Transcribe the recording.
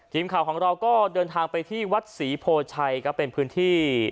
ทีมข่าวของเราก็เดินทางไปที่วัดศรีโพชัยก็เป็นพื้นที่